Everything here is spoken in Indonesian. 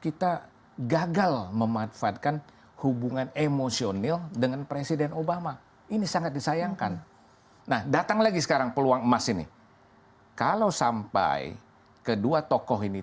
kita lanjutkan setelah yang berikut ini